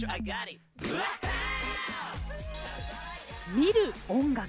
見る音楽。